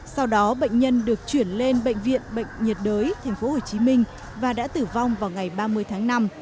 sau đó bệnh nhân được chuyển lên bệnh viện bệnh nhiệt đới thành phố hồ chí minh và đã tử vong vào ngày ba mươi tháng năm